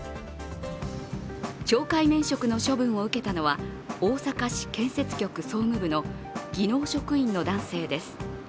懲戒免職の処分を受けたのは大阪市建設局総務部の技能職員の男性です。